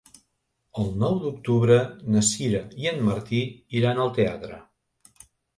El nou d'octubre na Sira i en Martí iran al teatre.